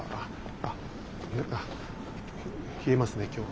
ああ冷えますね今日は。